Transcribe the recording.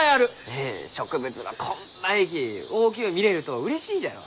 うん植物がこんまいき大きゅう見れるとうれしいじゃろ？